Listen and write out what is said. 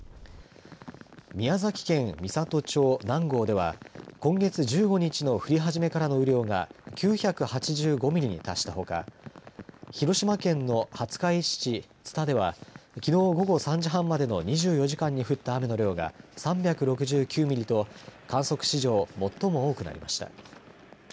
宮崎県美郷町南郷では今月１５日の降り始めからの雨量が９８５ミリに達したほか広島県の廿日市市津田ではきのう午後３時半までの２４時間に降った雨の量が３６９ミリと観測史上最も多くなりました。